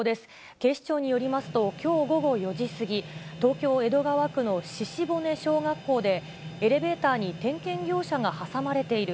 警視庁によりますと、きょう午後４時過ぎ、東京・江戸川区の鹿骨小学校で、エレベーターに点検業者が挟まれている。